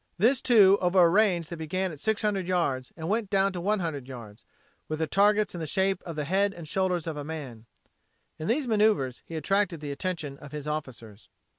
This, too, over a range that began at 600 yards and went down to 100 yards, with the targets in the shape of the head and shoulders of a man. In these maneuvers he attracted the attention of his officers.